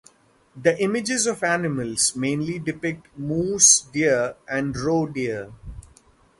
The images of animals mainly depict moose, deer and roe deer.